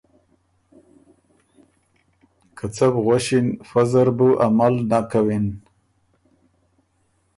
که څۀ بو غؤݭِن فۀ زر بُو عمل نک کَوِن